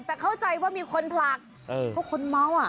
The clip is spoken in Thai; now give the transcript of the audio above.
แต่เข้าใจว่ามีคนผลักเพราะคนเมาอ่ะ